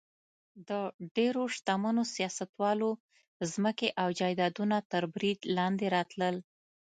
د ډېرو شتمنو سیاستوالو ځمکې او جایدادونه تر برید لاندې راتلل.